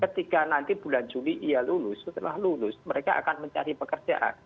ketika nanti bulan juli ia lulus setelah lulus mereka akan mencari pekerjaan